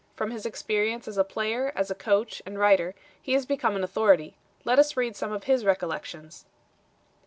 From his experience as a player, as a coach and writer, he has become an authority. Let us read some of his recollections.